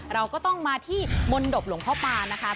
เราก็ต้องมาที่มนตบหลวงพ่อปานะคะ